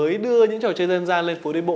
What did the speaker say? mới đưa những trò chơi dân gian lên phố đi bộ